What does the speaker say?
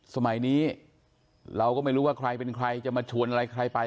สมัยนี้เราก็ไม่รู้ว่าใครเป็นใครจะมาชวนอะไรใครไป